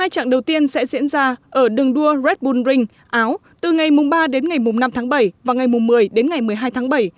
hai trạng đầu tiên sẽ diễn ra ở đường đua red bul ring áo từ ngày ba đến ngày năm tháng bảy và ngày một mươi đến ngày một mươi hai tháng bảy